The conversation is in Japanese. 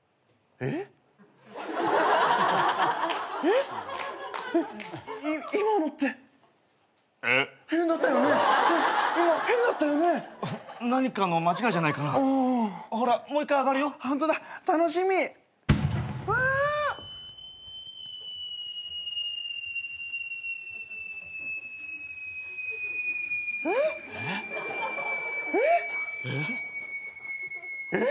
えっ？えっ？えっ？えっ？えっ！？